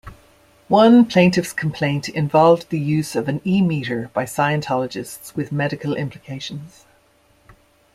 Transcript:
One plaintiff's complaint involved the use of an E-Meter by Scientologists with medical implications.